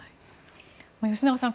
吉永さん